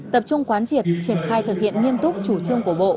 tập trung quán triệt triển khai thực hiện nghiêm túc chủ trương của bộ